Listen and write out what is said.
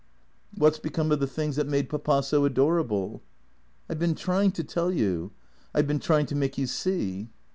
" What 's become of the things that made Papa so adorable ?"" I 've been trying to tell you. I 've been trying to make you see."